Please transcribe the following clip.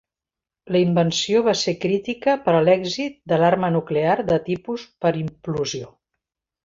La invenció va ser crítica per a l'èxit de l'arma nuclear de tipus per implosió.